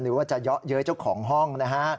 หรือว่าจะเยาะเย้ยเจ้าของห้องนะฮะ